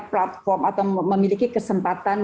platform atau memiliki kesempatan